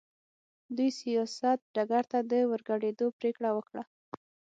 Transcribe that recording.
دوی سیاست ډګر ته د ورګډېدو پرېکړه وکړه.